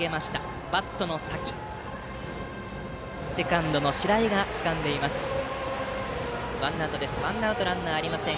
セカンドの白井がつかんでワンアウトランナーありません